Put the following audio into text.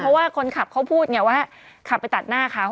เพราะว่าคนขับเขาพูดไงว่าขับไปตัดหน้าเขา